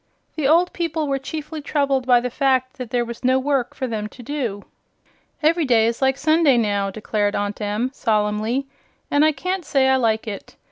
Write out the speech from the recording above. The old people were chiefly troubled by the fact that there was no work for them to do. "Ev'ry day is like Sunday, now," declared Aunt Em, solemnly, "and I can't say I like it.